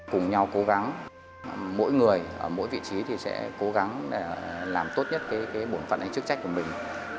cùng nhau cố gắng mỗi người ở mỗi vị trí sẽ cố gắng làm tốt nhất bổn phận hay chức trách của mình